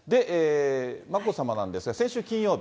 眞子さまなんですが、先週金曜日。